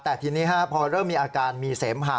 แต่ทีนี้พอเริ่มมีอาการมีเสมหะ